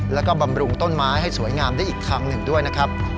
แล้วก็บำรุงต้นไม้ให้สวยงามได้อีกทางหนึ่งด้วยนะครับ